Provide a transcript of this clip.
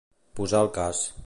Posar el cas.